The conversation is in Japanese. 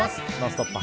「ノンストップ！」